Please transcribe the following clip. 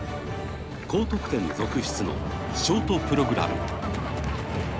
高得点続出のショートプログラム。